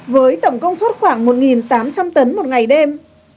với tổng công suất khoảng một tám trăm linh tấn một ngày đêm